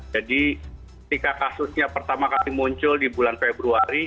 jadi ketika kasusnya pertama kali muncul di bulan februari